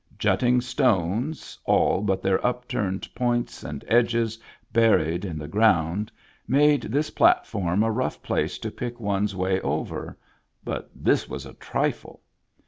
Jutting stones, all but their upturned points and edges buried in the ground, made this platform a rough place to pick one's way over — but this was a trifle.